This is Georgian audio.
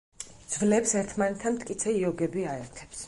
ძვლებს ერთმანეთთან მტკიცე იოგები აერთებს.